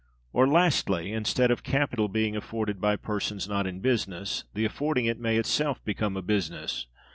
Or, lastly, instead of [capital] being afforded by persons not in business, the affording it may itself become a business.